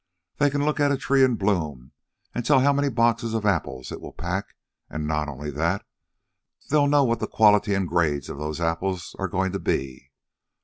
They can look at a tree in bloom and tell how many boxes of apples it will pack, and not only that they'll know what the quality and grades of those apples are going to be.